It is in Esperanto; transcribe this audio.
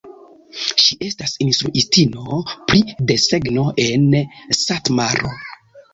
Ŝi estas instruistino pri desegno en Satmaro.